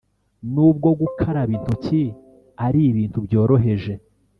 Nubwo gukaraba intoki ari ibintu byoroheje